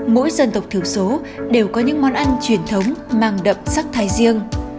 mỗi dân tộc thiểu số đều có những món ăn truyền thống mang đậm sắc thái riêng